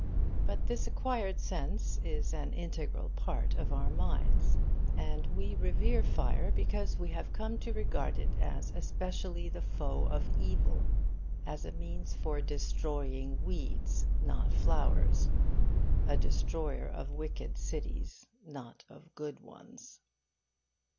But this acquired sense is an integral part of our minds. And we revere fire because we have come to regard it as especially the foe of evil as a means for destroying weeds, not flowers; a destroyer of wicked cities, not of good ones.